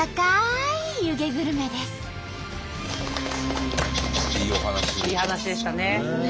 いい話でしたね。